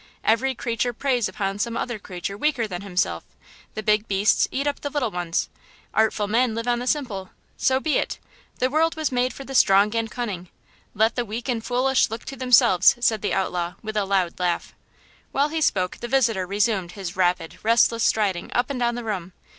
Every creature preys upon some other creature weaker than himself–the big beasts eat up the little ones–artful men live on the simple! So be it! The world was made for the strong and cunning! Let the weak and foolish look to themselves!" said the outlaw, with a loud laugh. While he spoke the visitor resumed his rapid, restless striding up and down the room.